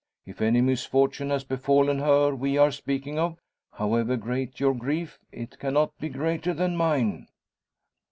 If any misfortune has befallen her we are speaking of, however great your grief, it cannot be greater than mine."